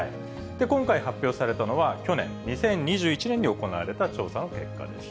で、今回、発表されたのは去年・２０２１年に行われた調査の結果です。